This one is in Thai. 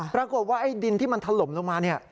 ปรากฏว่าไอ้ดินที่มันถล่มลงมาเนี่ย